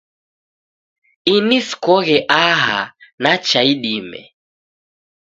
Ini sikoghe aha nacha idime